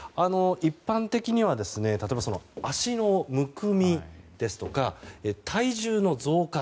一般的には例えば足のむくみですとか体重の増加